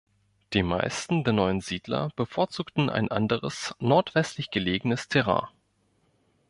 Die meisten der neuen Siedler bevorzugten ein anderes, nordwestlich gelegenes Terrain.